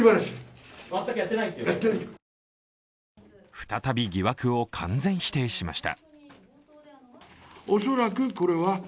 再び疑惑を完全否定しました。